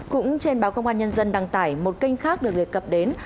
cũng trên báo công an nhân dân đăng tải một kênh khác được đề cập đến